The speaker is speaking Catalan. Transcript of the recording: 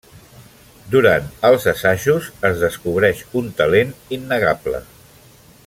Durant els assajos, es descobreix un talent innegable.